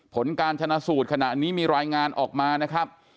ผลการชนะสูตรขณะนี้มีรายงานออกมานะครับ